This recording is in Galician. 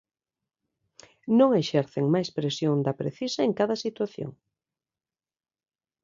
Non exercen máis presión da precisa en cada situación.